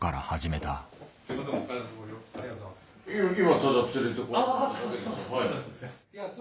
はい。